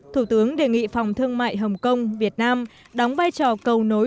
thủ tướng đề nghị phòng thương mại hồng kông việt nam đóng vai trò cầu nối